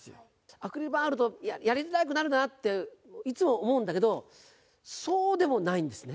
アクリル板あると、やりづらくなるなって、いつも思うんだけど、そうでもないんですね。